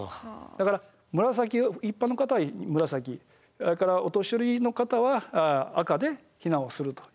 だから紫一般の方は紫それからお年寄りの方は赤で避難をするということです。